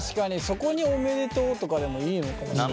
そこにおめでとうとかでもいいのかもしれないね。